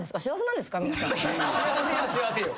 幸せは幸せよ。